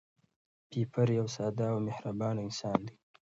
پییر یو ساده او مهربان انسان دی.